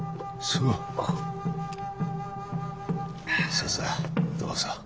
さあさあどうぞ。